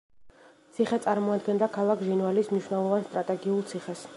ციხე წარმოადგენდა ქალაქ ჟინვალის მნიშვნელოვან სტრატეგიულ ციხეს.